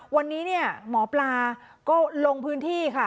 วันนี้เนี่ยหมอปลาก็ลงพื้นที่ค่ะ